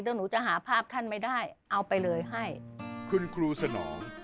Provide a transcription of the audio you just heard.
เดี๋ยวหนูจะหาภาพท่านไม่ได้เอาไปเลยให้คุณครูสนอง